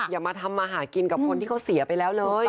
อย่ามาทำมาหากินกับคนที่เขาเสียไปแล้วเลย